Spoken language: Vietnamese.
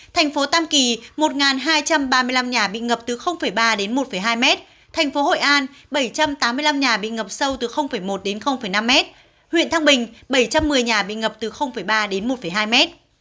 thành phố tam kỳ một hai trăm ba mươi năm nhà bị ngập từ ba đến một hai mét thành phố hội an bảy trăm tám mươi năm nhà bị ngập sâu từ một đến năm mét huyện thăng bình bảy trăm một mươi nhà bị ngập từ ba đến một hai mét